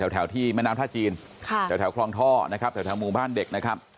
แถวที่แม้น้ำท่าจีนแถวครองท่อแถวหมู่พรรณเด็กนะครับ